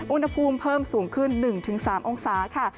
อุณหภูมิเพิ่มสูงขึ้น๑๓องศาค่ะ